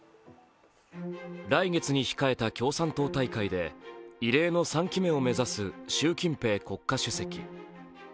来月に控えた共産党大会で異例の３期目を目指す習近平国家主席。